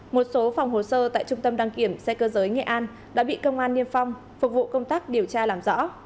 một số phòng hồ sơ tại trung tâm đăng kiểm xe cơ giới nghệ an đã bị công an niêm phong phục vụ công tác điều tra làm rõ